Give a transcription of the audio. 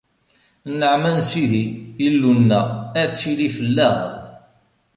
Nneɛma n Sidi, Illu-nneɣ, ad tili fell-aɣ!